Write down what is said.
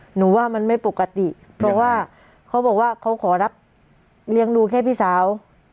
หนูว่ามันไม่ปกติเพราะว่าเขาบอกว่าเขาขอรับเลี้ยงดูแค่พี่สาว